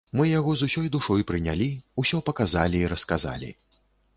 Мы яго з усёй душой прынялі, усё паказалі і расказалі.